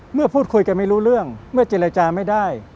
พูดคุยกันไม่รู้เรื่องเมื่อเจรจาไม่ได้